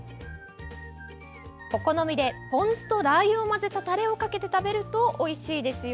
お好みでポン酢とラーユを混ぜたタレをかけて食べるとおいしいですよ。